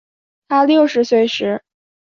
她六十岁时